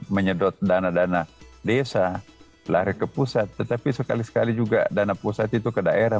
menyedot dana dana desa lari ke pusat tetapi sekali sekali juga dana pusat itu ke daerah